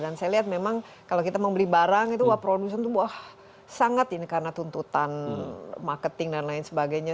dan saya lihat memang kalau kita mau beli barang itu wah produsen itu wah sangat ini karena tuntutan marketing dan lain sebagainya